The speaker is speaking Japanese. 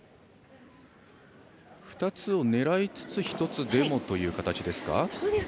２つを狙いつつ１つでもという形ですか？